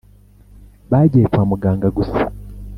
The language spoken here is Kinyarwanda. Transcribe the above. bagiye kwa muganga gusa